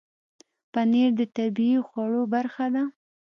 پنېر د طبیعي خوړو برخه ده.